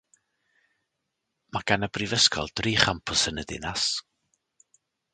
Mae gan y brifysgol dri champws yn y ddinas.